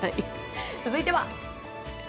続いては。